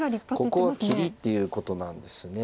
ここは切りっていうことなんですね。